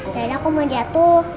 dada aku mau jatuh